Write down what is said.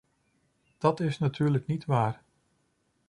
Dat is natuurlijk niet waar.